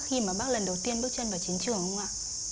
khi mà bác lần đầu tiên bước chân vào chiến trường không ạ